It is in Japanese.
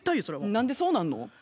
何でそうなんの？